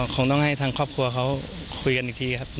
คงต้องให้ทางครอบครัวเขาคุยกันอีกทีครับ